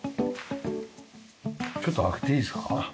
ちょっと開けていいですか？